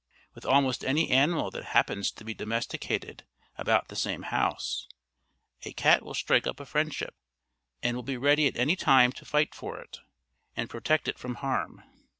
With almost any animal that happens to be domesticated about the same house, a cat will strike up a friendship, and will be ready at any time to fight for it, and protect it from harm.